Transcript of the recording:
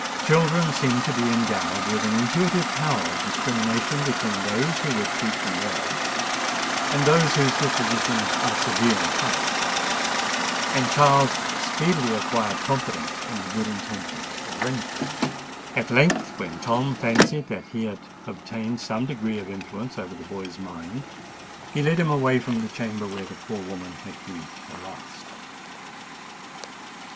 Children seem to be endowed with an intuitive power of discrimination between those who would treat them well, and those whose dispositions are severe and harsh; and Charles speedily acquired confidence in the good intentions of Rainford. At length, when Tom fancied that he had obtained some degree of influence over the boy's mind, he led him away from the chamber where the poor woman had breathed her last.